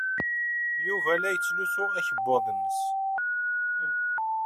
Yuba la yettlusu akebbuḍ-nnes.